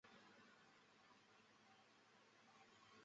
天主教巴瑟斯特教区是澳大利亚一个罗马天主教教区。